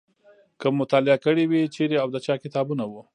که مو مطالعه کړي وي چیرې او د چا کتابونه وو.